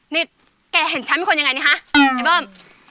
นี่แกเห็นฉันเป็นคนยังไงนี่ฮะไอ้เบิ้ม